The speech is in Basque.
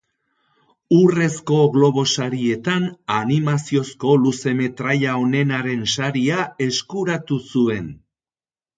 Urrezko Globo Sarietan Animaziozko luzemetraia onenaren saria eskuratu zuen.